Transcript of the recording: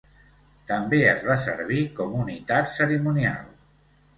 També es va servir com unitat cerimonial.